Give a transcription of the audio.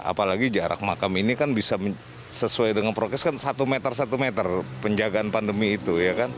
apalagi jarak makam ini kan bisa sesuai dengan prokes kan satu meter satu meter penjagaan pandemi itu